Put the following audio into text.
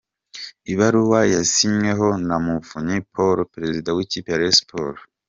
Ibaruwa yasinyweho na Muvunyi Paul perezida w’ikipe ya Rayon Sports.